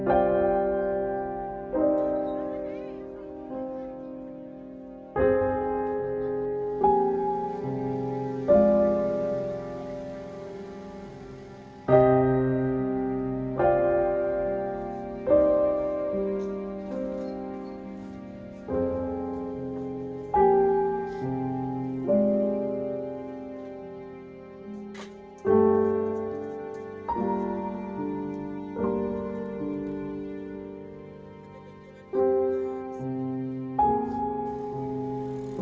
alhamdulillah ya allah